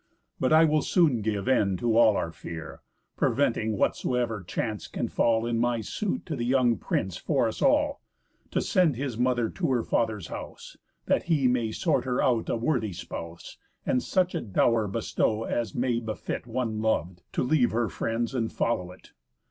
But I will soon give end to all our fear, Preventing whatsoever chance can fall, In my suit to the young prince for us all, To send his mother to her father's house, That he may sort her out a worthy spouse, And such a dow'r bestow, as may befit One lov'd, to leave her friends and follow it.